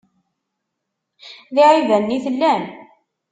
D iɛibanen i tellam?